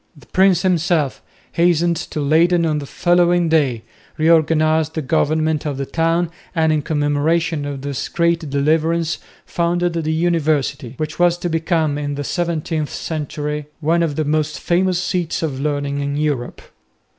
The prince himself hastened to Leyden on the following day, reorganised the government of the town and in commemoration of this great deliverance founded the University, which was to become in the 17th century one of the most famous seats of learning in Europe.